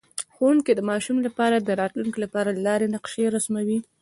ښوونکی د ماشومانو لپاره د راتلونکي لپاره د لارې نقشه رسموي.